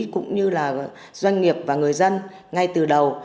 cũng như là doanh nghiệp và người dân ngay từ đầu